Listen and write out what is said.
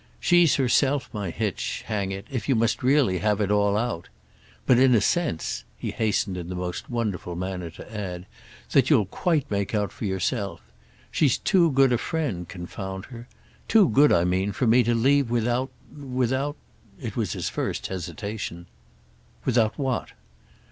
She's herself my hitch, hang it—if you must really have it all out. But in a sense," he hastened in the most wonderful manner to add, "that you'll quite make out for yourself. She's too good a friend, confound her. Too good, I mean, for me to leave without—without—" It was his first hesitation. "Without what?"